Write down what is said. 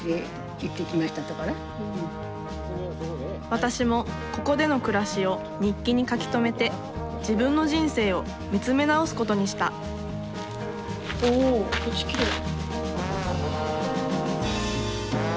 私もここでの暮らしを日記に書き留めて自分の人生を見つめ直すことにしたおお星きれい。